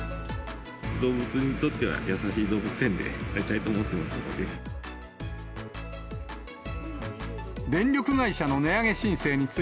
動物にとっては、優しい動物園でありたいと思ってますので。